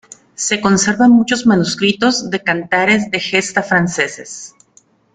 Se conservan muchos manuscritos de cantares de gesta franceses.